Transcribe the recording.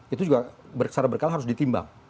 itu juga secara berkala harus ditimbang